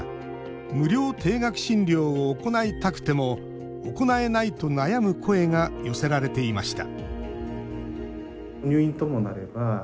無料低額診療を行いたくても行えないと悩む声が寄せられていました